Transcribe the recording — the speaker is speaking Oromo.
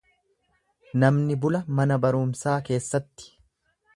Namni bula mana barumsaa keessatti.